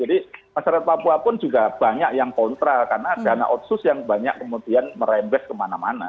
jadi masyarakat papua pun juga banyak yang kontra karena dana otsus yang banyak kemudian merembes kemana mana